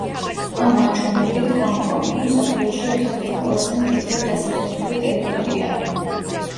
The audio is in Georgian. ამ მაჩვენებლით ჰონგ-კონგი მსოფლიოში ერთ-ერთი ყველაზე მჭიდროდ დასახლებული ტერიტორიაა.